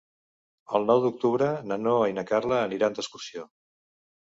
El nou d'octubre na Noa i na Carla aniran d'excursió.